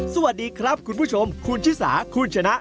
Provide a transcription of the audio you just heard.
สวัสดีครับคุณผู้ชมคุณชิสาคุณชนะ